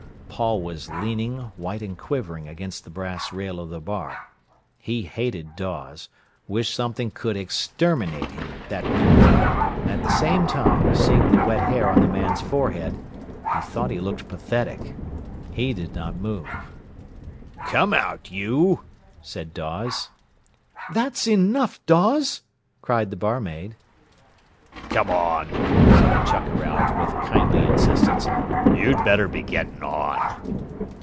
Paul was leaning, white and quivering, against the brass rail of the bar. He hated Dawes, wished something could exterminate him at that minute; and at the same time, seeing the wet hair on the man's forehead, he thought he looked pathetic. He did not move. "Come out, you—," said Dawes. "That's enough, Dawes," cried the barmaid. "Come on," said the "chucker out", with kindly insistence, "you'd better be getting on."